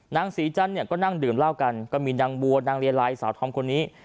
นางศรีจันทร์เนี่ยก็นั่งดื่มเหล้ากันก็มีนางบัวนางเลไลสาวธอมคนนี้